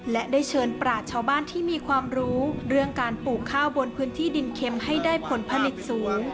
และได้เชิญปราชชาวบ้านที่มีความรู้เรื่องการปลูกข้าวบนพื้นที่ดินเค็มให้ได้ผลผลิตสูง